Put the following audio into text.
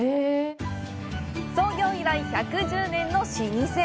創業以来１１０年の老舗。